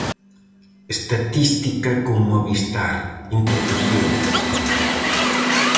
Estatística con Movistar: Introdución.